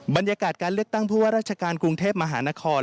บรรยากาศการเลือกตั้งผู้ว่าราชการกรุงเทพมหานคร